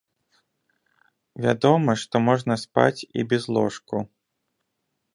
Вядома, што можна спаць і без ложку.